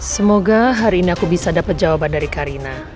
semoga hari ini aku bisa dapat jawaban dari karina